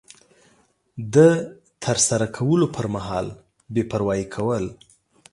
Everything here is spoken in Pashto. د ترسره کولو پر مهال بې پروایي کول